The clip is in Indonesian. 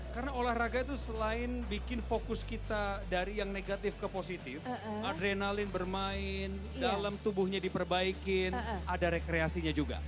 karena olahraga itu selain bikin fokus kita dari yang negatif ke positif adrenalin bermain dalam tubuhnya diperbaikin ada rekreasinya juga